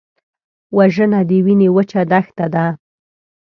وژنه د وینې وچه دښته ده